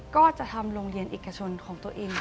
ก็จะทำโรงเรียนเอกชนของตัวเอง